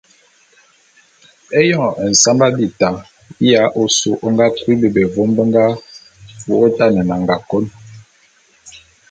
Éyoñ nsamba bita ya ôsu ô nga kui bebé vôm be nga wô’ôtan nnanga kôn.